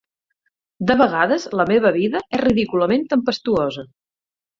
De vegades, la meva vida és ridículament tempestuosa.